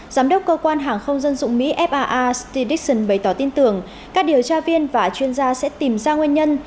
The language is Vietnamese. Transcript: giám đốc cơ quan hàng không dân dụng mỹ faa sty dixon bày tỏ tin tưởng các điều tra viên và chuyên gia sẽ tìm ra nguyên nhân